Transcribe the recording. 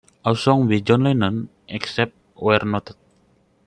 All songs by John Lennon, except where noted.